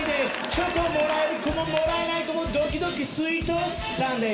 チョコもらえる子ももらえない子もドキドキスイートサンデー。